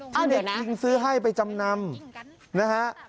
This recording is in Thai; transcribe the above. ที่เด็กยิงซื้อให้ไปจำนำนะฮะ